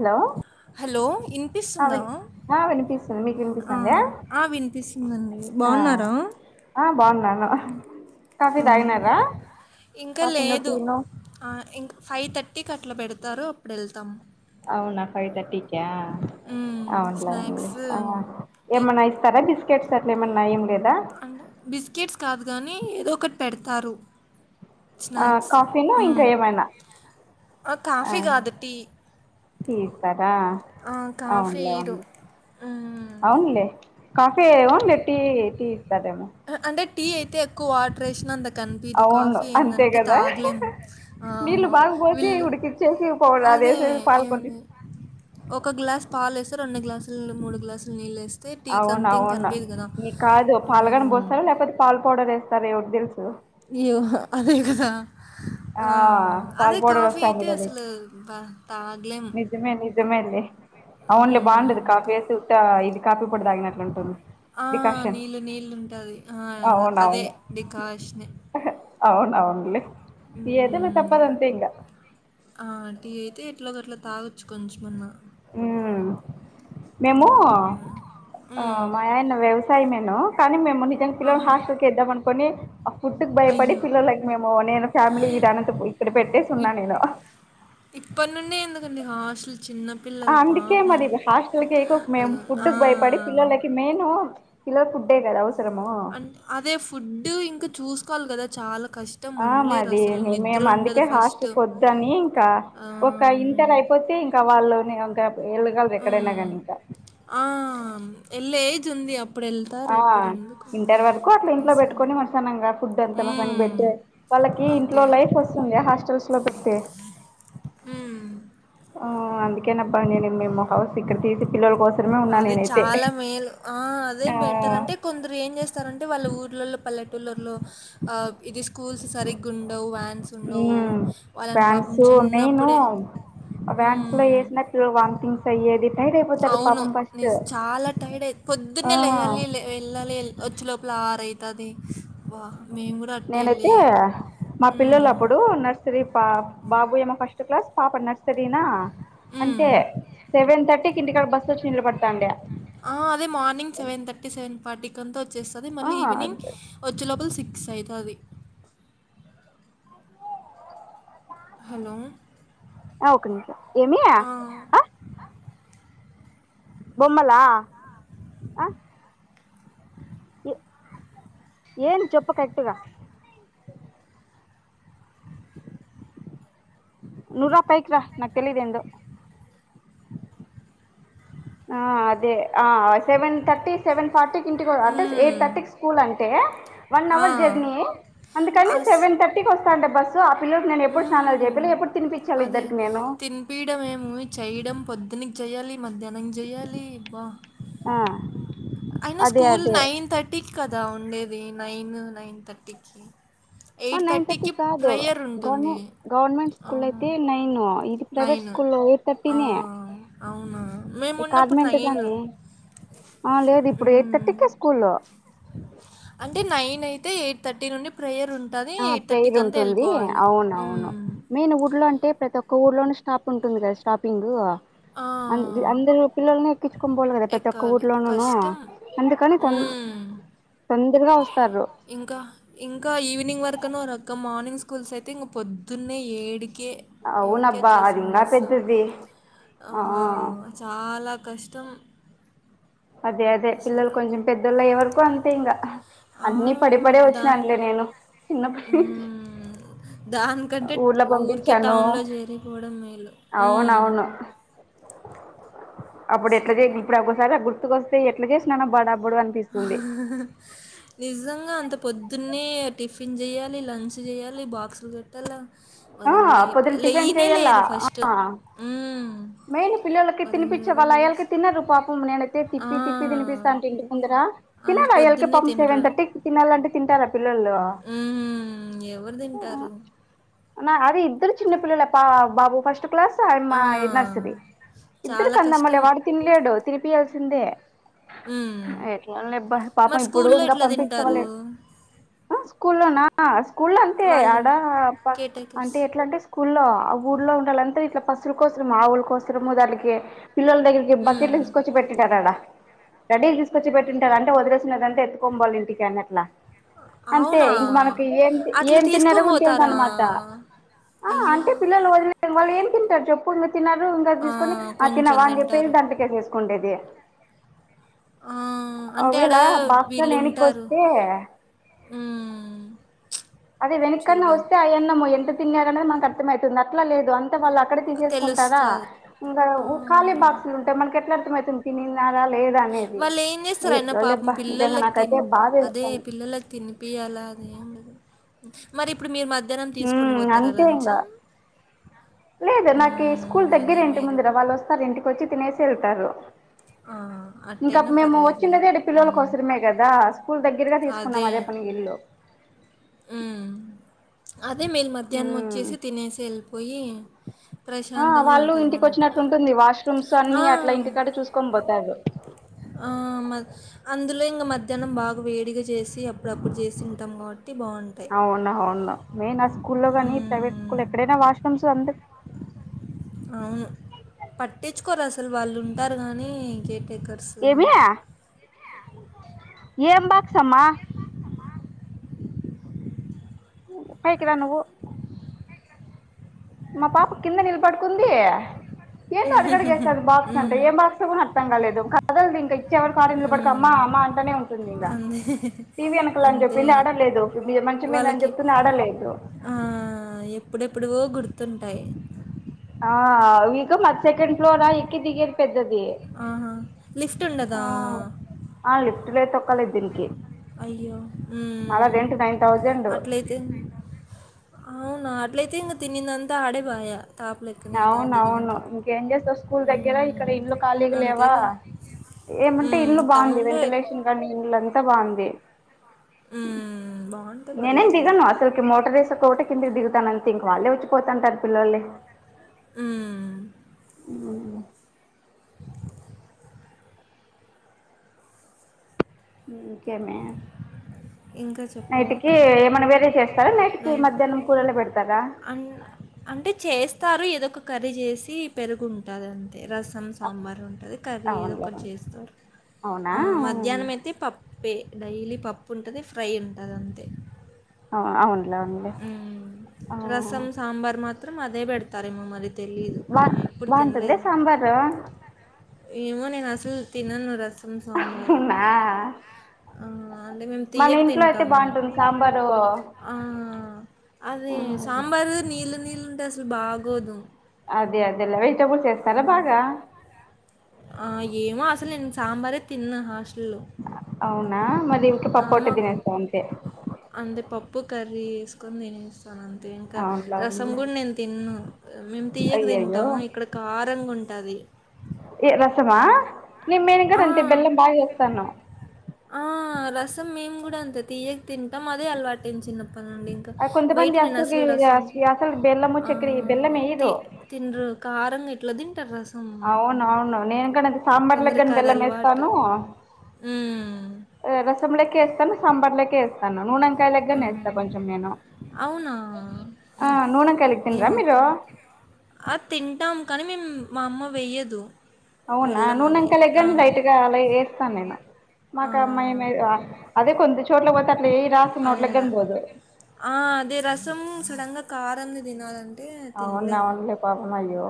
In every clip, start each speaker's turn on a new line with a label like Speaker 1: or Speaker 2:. Speaker 1: Hello
Speaker 2: hello
Speaker 1: ఆ
Speaker 2: ఇనిపిస్తుందా
Speaker 1: విన్ ఆ వినిపిస్తుంది మీకు
Speaker 2: ఆ
Speaker 1: వినిపిస్తుందా
Speaker 2: ఆ వినిపిస్తుందండి
Speaker 1: ఆ
Speaker 2: బాగున్నార
Speaker 1: ఆ బాగున్నాను కాఫీ
Speaker 2: ఆ!
Speaker 1: తాగినారా
Speaker 2: ఇంకా
Speaker 1: కాఫీనో
Speaker 2: లేదు
Speaker 1: టీనో
Speaker 2: ఆ ఇంక ఫైవ్ థర్టీకి అట్లా పెడతారు అప్పుడు వెళ్తా
Speaker 1: అవునా ఫైవ్ థర్టీకి
Speaker 2: హ్మ్.
Speaker 1: అవునులేండి
Speaker 2: స్నాక్స్, టీ
Speaker 1: ఏమన్నా ఇస్తారా బిస్కెట్స్ ఏమన్నా ఏం లేద్
Speaker 2: అంటే బిస్కెట్స్ కాదు కానీ ఏదో ఒకటి పెడతారు
Speaker 1: ఆ
Speaker 2: స్నాక్స్.
Speaker 1: కాఫీను ఇంకా
Speaker 2: హ్మ్.
Speaker 1: ఏమైనా ఆ
Speaker 2: కాఫీ కాదు టీ.
Speaker 1: తీస్తదా
Speaker 2: ఆ! కాఫీ
Speaker 1: అవునులే
Speaker 2: ఇయ్యరు.
Speaker 1: అవునులే
Speaker 2: హ్మ్.
Speaker 1: అవునులే కాఫే ఉ టీ టీ ఇస్తారే
Speaker 2: అంటే టీ అయితే ఎక్కువ వాటర్ వేసినా అంత కనిపించదు
Speaker 1: అవును
Speaker 2: కాఫీ
Speaker 1: అంతే
Speaker 2: ఏంటంటే
Speaker 1: కదా
Speaker 2: తాగలేం ఆ,
Speaker 1: నీళ్లు బాగా పోసి
Speaker 2: వీళ్ళు
Speaker 1: ఉడికిచ్చేసి పోవడా
Speaker 2: అదే ఏమంది ఒక గ్లాసు పాలు వేస్తే రెండు గ్లాసులు మూడు గ్లాసులు నీళ్ళు వేస్తా
Speaker 1: అవునవును నీ కాదు
Speaker 2: ఆ,
Speaker 1: పాలుగని పోస్తారు లేకపోతే పాలు పౌడర్ వేస్తారు ఎవరు తెలుసు
Speaker 2: ఈయో అదే కదా ఆ
Speaker 1: పాల్
Speaker 2: అదే
Speaker 1: పౌడర్
Speaker 2: కాఫీ
Speaker 1: వస్తాంది
Speaker 2: అయితే
Speaker 1: కదా
Speaker 2: అసలు తాగలేం
Speaker 1: నిజమే నిజమే లే
Speaker 2: ఉమ్,
Speaker 1: అవున్లే బాగుండదు
Speaker 2: అందుకు.
Speaker 1: కాఫీ వేస్తే ఊట్టా ఇ కాఫీ ఇప్పుడు తాగినట్లుంటుంది
Speaker 2: ఆ
Speaker 1: డికాషన్
Speaker 2: నీళ్ళు నీళ్ళు ఉంటది ఆ అదే డికాషనే
Speaker 1: అవును అవున్లే
Speaker 2: ఉమ్ ఆ టీ అయితే ఎట్లో గట్లా తాగచ్చు కొంచమన్నా
Speaker 1: ఉ మేము
Speaker 2: హ్మ్.
Speaker 1: ఆ
Speaker 2: హ్మ్.
Speaker 1: మా ఆయన వ్యవసాయమేను కానీ మేము నిజంగా పిల్లలు
Speaker 2: ఆహా!
Speaker 1: హాస్టల్కిద్దాం అనుకుని ఆ ఫుడ్కి భయపడి
Speaker 2: అయ్యో!
Speaker 1: పిల్లలకు మేము నేను ఫ్యామిలీ ఇ అనంత ఇక్కడ పెట్టేసి ఉన్నా
Speaker 2: ఇప్
Speaker 1: నేను
Speaker 2: ఇప్పటి నుండి ఎందుకండి హాస్టల్ చిన్న పిల్లలు
Speaker 1: అందుకే
Speaker 2: పాపం.
Speaker 1: మరి హాస్టల్కివెయ్యకోకు మేం
Speaker 2: ఆ!
Speaker 1: ఫుడ్కి భయపడి పిల్లలకి మేను ఇలా ఫుడ్డే కదా అవసరము
Speaker 2: అండ్ అదే ఫుడ్ ఇంకా చూసుకోవాలి కదా చాలా కష్టం
Speaker 1: ఆ మాది
Speaker 2: ఉండలేరసలు
Speaker 1: నే
Speaker 2: నిద్ర
Speaker 1: మేము అందుకే
Speaker 2: ఉండదు ఫస్ట్.
Speaker 1: హాస్టల్ కొద్దని ఇంకా ఒక ఇంటర
Speaker 2: ఆమె
Speaker 1: అయిపో కపోతే ఇంకా వాళ్ళని ఇంకా వెళ్ళగలరు ఎక్కడైనా
Speaker 2: హ్మ్.
Speaker 1: కానీ ఇంకా
Speaker 2: స్తుంది అ
Speaker 1: ఆ ఇంటర్ వరకు అట్లా ఇంట్లో
Speaker 2: అసలు.
Speaker 1: పెట్టుకొని మరసన్నంగా ఫుడ్ అంత మరసనంగా
Speaker 2: హ్మ్.
Speaker 1: పెట్టే వాళ్ళకి ఇంట్లో
Speaker 2: అదే.
Speaker 1: లైఫ్ వస్తుంద హాస్టల్స్ లో పెడితే
Speaker 2: ఉ
Speaker 1: అందుకేనప్ప నేను మేము హౌస్ ఇక్కడ తీసి పిల్లల కోసం
Speaker 2: అది చాలా మేలు ఆ అదే
Speaker 1: ఆ
Speaker 2: బెటర్ అంటే కొందరు ఏం చేస్తారంటే వాళ్ళు ఊ పల్లెటూర్లల్లో ఇది స్కూల్స్ సరిగ్గా ఉండవు స్ ఉండవు
Speaker 1: ఉమ్
Speaker 2: వాళ్ళని పాపం
Speaker 1: ఫ్యాన్స్ మెయిను
Speaker 2: చిన్నప్పుడే
Speaker 1: వ్యాన్స్ లో
Speaker 2: హ్మ్.
Speaker 1: వేసినప్పు వామ్థింగ్స్ అయ్యేది టై
Speaker 2: అవును నె చాలా టైడ్ అయ పోద్దునే
Speaker 1: ఆ
Speaker 2: లేయాలి వెళ్ళాలి వెళ్ి వచ్చే లోపల ఆరు అయితాది వాహ్
Speaker 1: నేనైతే మా పిల్లలు
Speaker 2: హ్మ్.
Speaker 1: అప్పుడు నర్సరీ పా బాబు ఏమో ఫస్ట్ క్లాస్ పాప నర్సరీనా
Speaker 2: హ్మ్.
Speaker 1: అంటే సెవెన్ థర్ టికి ఇంటికాడ బస్ వచ్చి నిలబడింది
Speaker 2: ఆ అదె మార్నింగ్ సెవన్ తర్టీ సవెన్ ఫార్టీకి వ చేస్తది మళ్ళీ ఈ వినింగ్ వచ్చే లోపు సిక్స్ అయితాది హెలో
Speaker 1: ఆ ఒక్క నిమిషం ఏమి బొమ్మలా ఇ ఏం చెప్పు కరెక్ట్ గా నూ రా పైకి రా నాకు తెలీదు ఏందో ఆ అదే ఆ సెవెన్ థర్టి సెవెన్ ఫార్టీకి ఇంటి కూడా అంటే ఎయిట్
Speaker 2: హ్మ్.
Speaker 1: థర్టీకి స్కూల్ అంటే వన్
Speaker 2: ఆ!
Speaker 1: అవర్ జర్నీ అందుకని
Speaker 2: అస్
Speaker 1: సెవెన్ థర్టీకి వస్తాంటే బస్సు పిల్లలకి నేను ఎప్పుడు స్నానాలు
Speaker 2: హ్మ్.
Speaker 1: చెపిిల ఎప్పుడు తినిపించాలి
Speaker 2: అదే
Speaker 1: ఇద్దరికి నేను
Speaker 2: పొద్దున చెయ్యాలి మధ్యాహ్న చెయ్యాలి బ
Speaker 1: ఆ
Speaker 2: అయినా
Speaker 1: అదే
Speaker 2: స్కూల్
Speaker 1: అదే
Speaker 2: నైన్ థర్టీకి కదా ఉండేది నైన్ నైన్ థర్టీకి
Speaker 1: ఆ
Speaker 2: ఎయిట్
Speaker 1: నైన్
Speaker 2: థర్టీకి
Speaker 1: థర్టీక్ కాదు
Speaker 2: ప్రేయర్
Speaker 1: గవర్
Speaker 2: ఉంటుంది
Speaker 1: గవర్నమెంట్ స్కూల్
Speaker 2: అవును
Speaker 1: అయితే నైన్ ఇది ప్రైవేట్
Speaker 2: నైన్
Speaker 1: స్కూల్లో ఎయిట్ థర్టీనే
Speaker 2: అవునా మేము
Speaker 1: ఈ
Speaker 2: ఉన్నప్పుడు
Speaker 1: కాార్మెంట్
Speaker 2: నైన్
Speaker 1: గానె ఆ లేదు ఇప్పుడు ఎయిట్
Speaker 2: మ్మ్.
Speaker 1: థర్టీకే స్కూల్లో
Speaker 2: అంటే నైన్ అయితే ఎయిట్ థర్టీ నుండి ప్రేయర్ ఉంటుంది
Speaker 1: ఆ
Speaker 2: ఎయిట్
Speaker 1: ప్రేయిరు
Speaker 2: థర్టీకి అంతా
Speaker 1: ఉంటుంది
Speaker 2: వెళ్ళిపోవాలి
Speaker 1: అవునవును
Speaker 2: మ్మ్.
Speaker 1: మెయిన్ ఊర్లో అంటే ప్రతి ఒక్క ఒక ఊర్లోనే స్టాప్ ఉంటుంది కదా స్టాపింగ్ అ
Speaker 2: ఆ,
Speaker 1: అందరుూ పిల్లలని ఎక్కించుకొని పోవాలి కదా ప్రతి ఒక్క
Speaker 2: ఎక్కాలి
Speaker 1: ఊర్లోనుూ
Speaker 2: కష్టం
Speaker 1: అందుకని తొం తొం
Speaker 2: ఇంక ఇంకా ఈవినింగ్ వరక్ పక్కనో రక్క మార్నింగ్ స్కూల్స్ అయితే ఇంక పొద్దున్నే ఏడికి కే ఎడికే
Speaker 1: అవునబ్బా అది
Speaker 2: వచ్చేసింది
Speaker 1: ఇంగా
Speaker 2: బస్సు
Speaker 1: పెద్దది
Speaker 2: ఆ చాల కష్టం తొం
Speaker 1: అదే అదే పిల్లలు కొంచం పెద్దోళ్ళు అయ్యే వరకు అంతే ఇంకా
Speaker 2: ఆ,
Speaker 1: అన్నిీ పడిపడే
Speaker 2: దాని
Speaker 1: వచ్చినాన్ లే నేను చిన్నప్పడి నుంచి
Speaker 2: మ్మ్. దానికంటే
Speaker 1: ఊర్ల
Speaker 2: ఊరికే
Speaker 1: పంపిించాను
Speaker 2: టౌన్లో చేరిపోవడం మేలు మ్మ్.
Speaker 1: అవునవును అప్పుడు ఎట్ల చే
Speaker 2: అసలు
Speaker 1: ఇప్పుడు ఒక్కసారి గుర్తుకొస్తే ఎట్ల చేసినాను బాడ
Speaker 2: నిజంగ అంత పొద్దున్నే టిఫిన్ చెయ్యాలి లంచ్ చేయాలి బాక్సులు కట్టాలా
Speaker 1: ఆ
Speaker 2: వాళ్ళని
Speaker 1: పొద్దున
Speaker 2: లేపాలె
Speaker 1: టిఫిన్
Speaker 2: ఈయనే
Speaker 1: చెయ్యాలా
Speaker 2: లేరు ఫస్ట్
Speaker 1: ఆ మెయిన్ పిల్లలకి
Speaker 2: వాళ్ళని
Speaker 1: తినిించి
Speaker 2: రెడీ
Speaker 1: వాళ్ళ
Speaker 2: జేసి
Speaker 1: అయళ్ళకి తిన్నారు పాపం నేనైతే
Speaker 2: ఆ!
Speaker 1: తిప్పి తిప్పి తినిపిస్తాంటే ఇంటి ముందుర
Speaker 2: అంత
Speaker 1: తినాల ఇయాలకకి
Speaker 2: పొద్దున్నే
Speaker 1: పం సెవెన్ థర్టి కి తినాలంటే తింటార
Speaker 2: ఉహు ఎవరు తింటారు
Speaker 1: అదిే ఇద్దరు చిన్న పిల్లలు పా బాబు ఫస్ట్ క్లాస్ అ
Speaker 2: ఆ!
Speaker 1: అమ్మాయ్ నర్ ఇద్దరు
Speaker 2: చాలా
Speaker 1: కందమ్మలె
Speaker 2: కష్టం.
Speaker 1: వాడు తినలేడు తినిపియాల్సిందే
Speaker 2: హ్మ్.
Speaker 1: ఎట్లాన్ లే అబ్బా పాపం
Speaker 2: మరి
Speaker 1: ఇప్పుడు
Speaker 2: స్కూల్లో
Speaker 1: ఇంగా
Speaker 2: ఎట్లా తింటారు?
Speaker 1: పంపించమలే అ స్కూల్లోనా స్కూల్లో అంతే
Speaker 2: వాళ్ళు
Speaker 1: ఆడ
Speaker 2: కేర్ టేకర్స్.
Speaker 1: అంటే ఎట్ల అంటే స్కూల్లో ఊళ్ళో ఉండాలంటె ఇట్లా పసుల కోసం ఆవుల కోసము దాకి పిల్లల దగ్గరికి బకెట్లు
Speaker 2: హ్మ్.
Speaker 1: తీసుకొచ్చి పెట్టినారడా రెడీలు తీసుకొచ్చి పెట్టింటారు అంటే వదిలేసన్నదంటే ఎతుకో పోలి ఇంటికి అన్ని అట్లా అంతే
Speaker 2: అవునా
Speaker 1: ఇంక మనకు ఏం
Speaker 2: అట్లా
Speaker 1: ఏం తిన్నర
Speaker 2: తీసుకొని
Speaker 1: కొని తెలిదు
Speaker 2: పోతారా
Speaker 1: అన్నమాట ఆ
Speaker 2: అయ్యా
Speaker 1: అంటే పిల్లలు వదిలి వాళ్ళు ఏం తింటారు చెప్పు తిన్నారు ఇంకా
Speaker 2: ఆ
Speaker 1: తీసుకొని
Speaker 2: కొంచెం
Speaker 1: తినవా అని చెప్పేసి
Speaker 2: తింటారు
Speaker 1: దాంటకే చేసుకుంటేది
Speaker 2: ఆ
Speaker 1: అ
Speaker 2: అంటే
Speaker 1: ఒకవేళ
Speaker 2: ఆడ
Speaker 1: బాక్స్ లన్ని
Speaker 2: వీళ్ళు
Speaker 1: వెనకి
Speaker 2: ఉంటారు
Speaker 1: వస్తే
Speaker 2: మ్మ్
Speaker 1: అదే వెనకన్నా
Speaker 2: చూడు
Speaker 1: వస్తే అయ అన్నము ఎంత తిన్నారనే మనకు అర్థం అవుతుంది అట్లా లేదు వాళ్ళు అక్కడ తీసేసుకుంటారా
Speaker 2: తెలుస్తది
Speaker 1: ఇంకా
Speaker 2: ఆ
Speaker 1: ఖాళీ బాక్స్ లు ఉంటాయి మనకి ఎట్లా అర్థమవుతుంది తినింద
Speaker 2: వాళ్ళు ఏం చేస్తారు అయిన పాపం
Speaker 1: నిజంగా
Speaker 2: పిల్లకి
Speaker 1: నాకైతే
Speaker 2: తిని అదే
Speaker 1: బాధేస్తుంది
Speaker 2: పిల్లకి తిని పియాలి అలా అదే ఏం లేదు మరి ఇప్పుడు మీరు మధ్యాహ్నం తీసుకొని
Speaker 1: ఉమ్
Speaker 2: పోతారా
Speaker 1: అంతే ఇంగ
Speaker 2: లంచ్
Speaker 1: లేదు నాకు ఈ స్కూల్
Speaker 2: మ్మ్
Speaker 1: దగ్గర
Speaker 2: అదే
Speaker 1: ఇంటి
Speaker 2: మేలు
Speaker 1: ముందుర వాళ్ళు వస్తారు ఇంటికి వచ్చి తినేసి వెళ్తారు
Speaker 2: ఆ
Speaker 1: ఇంకా
Speaker 2: అట్టయినా
Speaker 1: మేము
Speaker 2: పర్లేదులే
Speaker 1: వచ్చినదే పిల్లలకి
Speaker 2: మ్మ్
Speaker 1: అవసరమే కదా స్కూల్ దగ్గరగా తీసుకున్నాం అదే పనిగా ఇల్లు
Speaker 2: హ్మ్. అదే మేలు మధ్యాహ్నం
Speaker 1: ఉమ్
Speaker 2: వచ్చేసి తినేసి వెళ్ళిపోయి
Speaker 1: ఆ వాళ్ళు ఇంటికి
Speaker 2: కూడా.
Speaker 1: వచ్చినట్లుంటుంది వాష్రూమ్స్
Speaker 2: ఆ!
Speaker 1: అన్ని అట్లా ఇంటికాడా చూసుకొని పోతారు
Speaker 2: ఆ మ అందులో ఇంకా మధ్యాహ్నం బాగా వేడిగా చేసి అప్పుడప్పుడు చేసి తింటాం కాబట్టి బావుంటాయి.
Speaker 1: అవునా అవునను మెయిన్ స్కూ లో కానీ ప్రైవేట్
Speaker 2: హ్మ్.
Speaker 1: స్కూల్ ఎక్క ఎక్కడనా వాష్ రూమ్ అంతే
Speaker 2: అవును పట్టించుకోరు అసలు వాళ్ళు ఉంటారు కానీ ఇంక వర్కర్స్
Speaker 1: ఏమి ఏం బాక్స్ అమ్మ కాయికిరా నువ్వు మా పాప కింద నిలబడుకుంది ఏందొ అడుగడిగేస్తది బాక్స్
Speaker 2: హ్మ్.
Speaker 1: అంటే ఏం బాక్స్ కూడా అర్థం కాలేదు కదలిదు ఇంకా ఇచ్చే వరకు ఆడే
Speaker 2: హ్మ్.
Speaker 1: నిలబడికమ్మా అమా అంటానే ఉంటుంది ఇంకా
Speaker 2: అంతే.
Speaker 1: టీవీ ఏనకాలని
Speaker 2: అంతే
Speaker 1: చెప్పింది
Speaker 2: ఇగ.
Speaker 1: ఆడలేదు మంచం మీద అని చెప్తుంది ఆడ లేదు
Speaker 2: ఎప్పుడెప్పుడవో గుర్తుంటాయి
Speaker 1: ఆ ఇక మది సెకండ్ ఫ్లోరా ఎక్కి దిగిరి పెద్ద
Speaker 2: ఆహా! లిఫ్ట్ ఉండదా?
Speaker 1: ఆ లిఫ్ట్ లోయితే దు దీనికి
Speaker 2: అయ్యో!
Speaker 1: మల్ల
Speaker 2: హ్మ్.
Speaker 1: రెంట్ నైన్ తౌసండ్
Speaker 2: అట్లయితే అవునా? అట్లయితే తినందంతా అడేబాయ
Speaker 1: అవున అవును ఇంకేం చేస్తావు స్కూల్ దగ్గర ఇక్కడ
Speaker 2: హ్మ్.
Speaker 1: ఇల్లు ఖాళీగ లేవా
Speaker 2: అంతేలే.
Speaker 1: ఏమంటే
Speaker 2: హ్మ్.
Speaker 1: ఇల్లు బాగుంది
Speaker 2: టౌన్‌లో ఎక్
Speaker 1: వెంటిలేషన్ కానీ ఇల్లు అంత బాగుంది
Speaker 2: హ్మ్. బావుంటే
Speaker 1: నేనేం
Speaker 2: పర్లేదులే.
Speaker 1: దిగను అసలుకి మోట ర్ కోటి కిందకి దిగుతానంతే ఇంకా వాళ్ళే వచ్చిపోతంటారు పిల్లలు
Speaker 2: హ్మ్
Speaker 1: హ్మ్ ఇంకేమి
Speaker 2: ఇంకా
Speaker 1: నైటికి
Speaker 2: చెప్పాలక్క.
Speaker 1: ఏమైన్నా వేరే చేస్తారా నైటికి
Speaker 2: నైట్
Speaker 1: మధ్యాహ్నం కూరలు పెడతారా
Speaker 2: అన్ అంటే చేస్తారు ఏదో ఒక కర్రీ చేసి పెరుగుతుంటాది అంతే రసం సాంబార్ ఉంటుంది కర్రీ ఏదో
Speaker 1: అవునులే
Speaker 2: ఒకటి చేస్తారు
Speaker 1: అవునా
Speaker 2: మధ్యాహ్నం అయితే పప్పు పే డైలీ పప్పు ఉంటుంది ఫ్రై ఉంటుంది అంతే
Speaker 1: అవు అవునులే అవునులే ఆ
Speaker 2: రసం సాంబార్ మా మాత్రం అదే పెడతారేమో మరి తెలీదుే
Speaker 1: బా
Speaker 2: ఎప్పుడు
Speaker 1: బాగుంటుందే
Speaker 2: తినలేదు
Speaker 1: సాంబారు
Speaker 2: మేమో నేను అసలు తిన్నాను రసం సాంబారు
Speaker 1: అవునా మన ఇంట్లో అయితే బాగుంటుంది సాంబారు
Speaker 2: ఆ అదే సాంబారు నీళ్ళు నీళ్ళుంటే అసలు బాగోదు
Speaker 1: అదే అదలా వెజిటేబుల్స్ చేేస్తారా
Speaker 2: ఆ,
Speaker 1: బాగా
Speaker 2: ఆ ఏమో అసలు నేను సాంబారే తిన్నా హాస్టల్లో
Speaker 1: అవునా మళ్ళ ఇవకి
Speaker 2: ఆ,
Speaker 1: పపోట
Speaker 2: మాకు
Speaker 1: దినస అంత
Speaker 2: అంతే పప్పు కర్రీ వేసుకొని నేను న అంతే ఇంకా
Speaker 1: అవునులే
Speaker 2: రసం
Speaker 1: అవునులే
Speaker 2: గు నేను తి మేము తీయక
Speaker 1: అయ్యయ్యో
Speaker 2: తింటాము ఇక్కడ కారం ఉంట కాది
Speaker 1: ఏ రసమా నేను మేను ఇంకాడ
Speaker 2: ఆ,
Speaker 1: అంతే బెల్లం బాగా చేస్తాను
Speaker 2: ఆ రసం మేము కూడా అంత తీయక తింటాం అదే అలవాటు చిన్నప్పనండి ఇంకా
Speaker 1: ఆ కొంతమంది
Speaker 2: బయటిని
Speaker 1: అసలుకి
Speaker 2: నసిలు రాంది
Speaker 1: అసలు బెల్లము చక్కెర ఈ బెల్లం వేయరు
Speaker 2: త కారంగా ఇ
Speaker 1: అవును అవును నేన్ కనదు సాంబార్
Speaker 2: కొందరికి
Speaker 1: ల్గని
Speaker 2: అది
Speaker 1: బెల్లం
Speaker 2: అలవాటు
Speaker 1: వేస్తాను
Speaker 2: మ్మ్.
Speaker 1: రసములక్క వేస్తా సంంబర్ లోకేస్తాను నూనంకాయ
Speaker 2: ఆ!
Speaker 1: గ్గనేేస్తను కొంచెం నేను
Speaker 2: అవునా?
Speaker 1: ఆ నూన కయలిి తన్ రమ్ మీరు
Speaker 2: అ తింటాము కానీ మేము మా అమ్మ వెయ్యదు
Speaker 1: అవునా
Speaker 2: బెల్లం
Speaker 1: నూన
Speaker 2: అవి.
Speaker 1: ఇంకా
Speaker 2: ఆ!
Speaker 1: లేగండి లైట్ గా అలా వేస్తానుేమ
Speaker 2: ఆ!
Speaker 1: మాకు అమ్మాయి అదే కొ
Speaker 2: అదే ఆ అదే రసం సడంగా కారం తినాల
Speaker 1: అవును
Speaker 2: లే
Speaker 1: అవునులే పాపం అయ్యో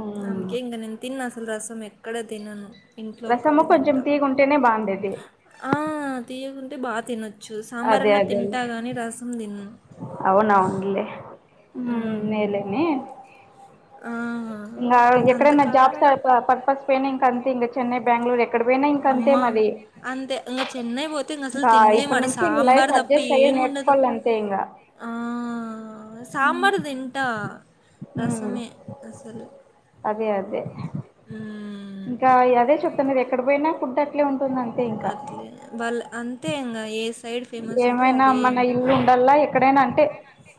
Speaker 1: ఉమ్
Speaker 2: అందుకే ఇ నను తి అసలు రసం ఎక్కడ తినను ఇంట్లో
Speaker 1: రసము
Speaker 2: ఒక్కటే
Speaker 1: కొంచెం
Speaker 2: తింటంటాం
Speaker 1: తీగుంటేనే బాగుండేది
Speaker 2: తీయకుంటే బాగా తినొచ్చు ు
Speaker 1: అదే
Speaker 2: సాంబారన్న
Speaker 1: అదేలే
Speaker 2: తింటా కానీ రసం తిన్న
Speaker 1: ఉ నేలన్న
Speaker 2: ఆ!
Speaker 1: ఇంకా
Speaker 2: అంత
Speaker 1: ఎక్కడైనా జాబ్స్
Speaker 2: కారనా?
Speaker 1: పర్పస్ పనా ఇంకా అంతే ఇం చెన్నై బెంగళూరు ఎక్కడ పోయినా ఇంక అంతే
Speaker 2: అమ్మా!
Speaker 1: మరి
Speaker 2: అంతే ఇంకా చెన్నై పోతే ఇంకా అసలు తిినలే
Speaker 1: ఇప్పటి
Speaker 2: మాట
Speaker 1: నుంచి ఇంక లైఫ్
Speaker 2: సాంబార్ తప్ప
Speaker 1: అడ్జస్ట్ అయ్యి
Speaker 2: ఏముండదు
Speaker 1: నేర్చుకోవాలంతే ఇంగ
Speaker 2: సాబారు తింట రసమే సర
Speaker 1: అదే అదే
Speaker 2: హ్మ్.
Speaker 1: ఇంకా అదే చెప్తున్నారు ఎ ఎక్కడ పోయినా ఫుడ్ అట్లే ఉంటుంద అంతే ఇంకా
Speaker 2: అట్లే. వాళ్ళు అంతే ఇంగ ఏ సైడ్ ఫేమస్ ఉంటది
Speaker 1: ఏమైనా
Speaker 2: అదే
Speaker 1: మన
Speaker 2: ఉంటది.
Speaker 1: ఇల్లు ఉండల్లా ఎక్కడైనా అంటే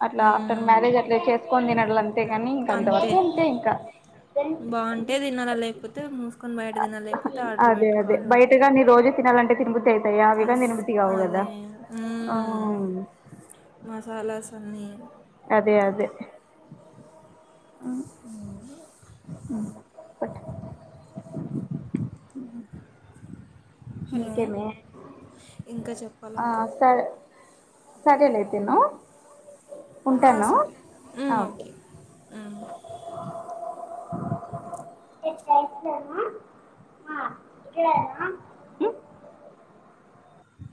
Speaker 1: అట్లా ఆఫ్టర్
Speaker 2: హ్మ్.
Speaker 1: మ్యారేజ్ అట్లే చేసుకోొని తినట్ల అంతే ని ఇంక అంతవరకు అంతే ఇంకా
Speaker 2: బావుంటే తినాలా, లేకపోతే మూసుకొని బయట తినాలా, లేకపోతే ఆర్డర్
Speaker 1: అదే అదే
Speaker 2: పెట్టుకోవాలా.
Speaker 1: బయటగా నీ రోజు పత్నాాలుగు గంట తిగుతి అవుయితయియవగంగా
Speaker 2: అస్
Speaker 1: దినమతిగావగుదా
Speaker 2: అదే మసాలాస్ అన్నీ
Speaker 1: అదే అదే
Speaker 2: అ హలో
Speaker 1: ఇంకేమే
Speaker 2: ఇంకా చెప్పాలక్క
Speaker 1: సరేల అయితను
Speaker 2: ఆ,
Speaker 1: ఉంటాను
Speaker 2: సరే మ్మ్,
Speaker 1: ఓకే
Speaker 2: మ్మ్.
Speaker 1: నాడనా